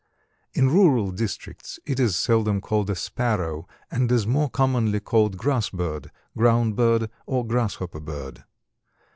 In rural districts it is seldom called a sparrow and is more commonly called Grass bird, Ground bird or Grasshopper bird.